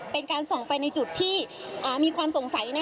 เป็นการส่องไปในจุดที่มีความสงสัย